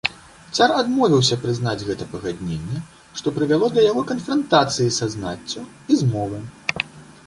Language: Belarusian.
Цар адмовіўся прызнаць гэта пагадненне, што прывяло да яго канфрантацыі са знаццю і змовы.